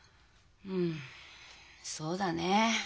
うんそうだね。